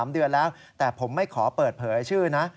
๓เดือนแล้วแต่ผมไม่ขอเปิดเผยชื่อนะ